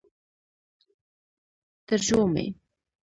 ترژومۍ